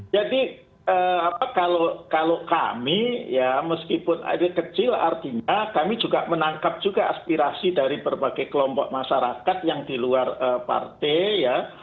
jadi kalau kami ya meskipun kecil artinya kami juga menangkap juga aspirasi dari berbagai kelompok masyarakat yang di luar partai ya